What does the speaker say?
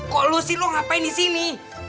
kok lu sih lu ngapain disini